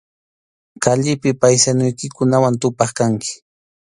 Kallipi paysanuykikunawan tupaq kanki.